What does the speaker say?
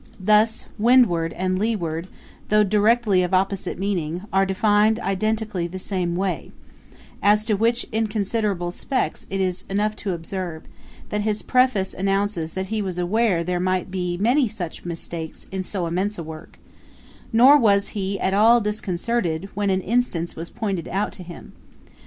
Thus, Windward and Leeward, though directly of opposite meaning, are defined identically the same way; as to which inconsiderable specks it is enough to observe, that his Preface announces that he was aware there might be many such in so immense a work; nor was he at all disconcerted when an instance was pointed out to him.